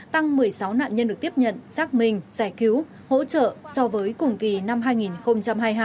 tăng một mươi sáu nạn nhân được tiếp nhận xác minh giải cứu hỗ trợ so với cùng kỳ năm hai nghìn hai mươi hai